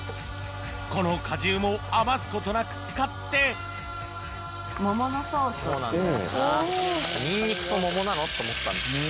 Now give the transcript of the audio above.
この果汁も余すことなく使ってにんにくと桃なの？って思ったんです。